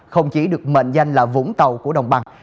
không chỉ được mệnh danh là vũng tàu của đồng bằng